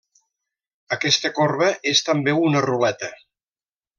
Aquesta corba és també una ruleta.